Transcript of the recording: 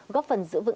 góp phần giữ vững